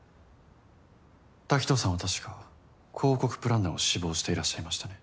滝藤さんは確か広告プランナーを志望していらっしゃいましたね。